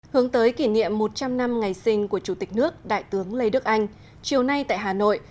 hướng tới kỷ niệm một trăm linh năm ngày sinh của chủ tịch nước đại tướng lê đức anh chiều nay tại hà nội